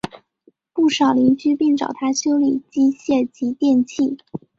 不少邻居并找他修理机械及电器。